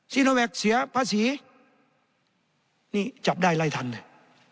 ซีโนแวคเสียภาษีนี่จับได้ไล่ทันเนี่ย